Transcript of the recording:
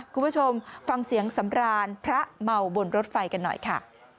คุณผู้ชมฟังเสียงสำรานพระเมาบนรถไฟกันหน่อยค่ะ